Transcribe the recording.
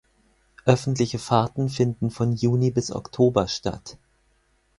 Öffentliche Fahrten finden von Juni bis Oktober statt.